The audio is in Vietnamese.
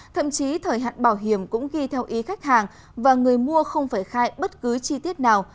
thậm chí thời hạn bảo hiểm cũng ghi theo ý khách hàng và người mua không phải khai bất cứ chi tiết nào